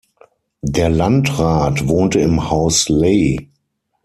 Der Landrat wohnte im Haus Ley.